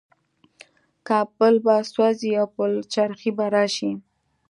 کابل به سوځي او پلچرخي به راشي.